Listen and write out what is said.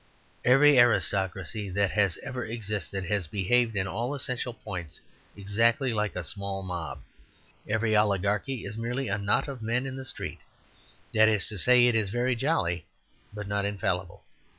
Every aristocracy that has ever existed has behaved, in all essential points, exactly like a small mob. Every oligarchy is merely a knot of men in the street that is to say, it is very jolly, but not infallible.